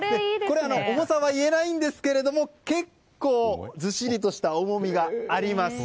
重さは言えないんですけども結構ずしりとした重みがあります。